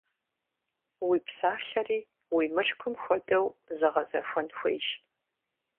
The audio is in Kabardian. Уи псалъэри уи мылъкум хуэдэу зэгъэзэхуэн хуейщ.